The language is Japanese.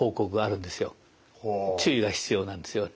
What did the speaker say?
注意が必要なんですよ。